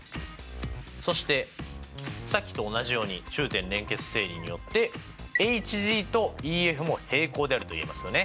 そしてさっきと同じように中点連結定理によってＨＧとＥＦも平行であると言えますよね。